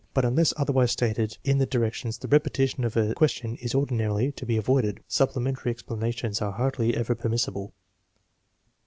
But unless otherwise stated in the directions, the repetition of a question is ordinarily to be avoided. Supplementary explanations are hardly ever permissible.